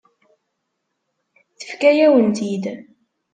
Tefka-yawen-tt-id.